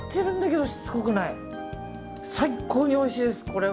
最高においしいです、これ。